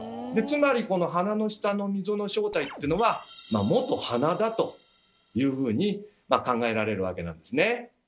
つまり鼻の下の溝の正体っていうのはもと鼻だというふうに考えられるわけなんですね。